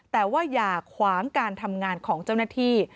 แต่ว่าอย่าขวางการทำงานของเจ้าหน้าที่